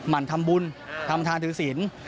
มันทำบุญทำทวนทีริสิน